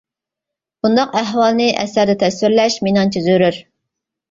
بۇنداق ئەھۋالنى ئەسەردە تەسۋىرلەر مېنىڭچە زۆرۈر.